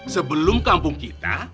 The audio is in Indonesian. sebelum kampung kita